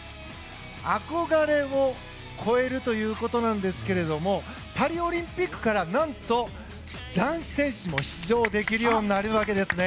憧れを超えるということなんですがパリオリンピックからなんと男子選手も出場できるようになるわけですね。